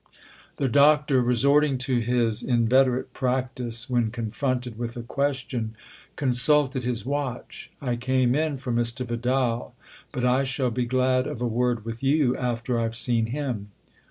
The Doctor, resorting to his inveterate practice when confronted with a question, consulted his watch. " I came in for Mr. Vidal, but I shall be glad of a word with you after I've seen him.